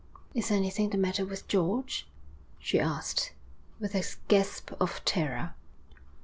'Is anything the matter with George?' she asked, with a gasp of terror.